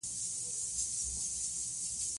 ازادي راډیو د چاپیریال ساتنه وضعیت انځور کړی.